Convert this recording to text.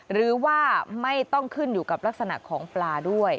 หรือว่าไม่ต้องขึ้นอยู่กับลักษณะของปลาด้วย